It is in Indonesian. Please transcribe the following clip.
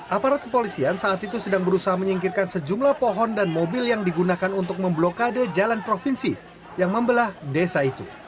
aparat kepolisian saat itu sedang berusaha menyingkirkan sejumlah pohon dan mobil yang digunakan untuk memblokade jalan provinsi yang membelah desa itu